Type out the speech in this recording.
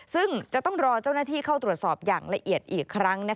ซึ่งจะต้องรอเจ้าหน้าที่เข้าตรวจสอบอย่างละเอียดอีกครั้ง